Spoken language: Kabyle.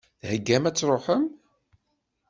Theggam ad tṛuḥem?